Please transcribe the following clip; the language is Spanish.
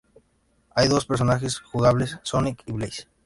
Hay dos personajes jugables, Sonic y Blaze.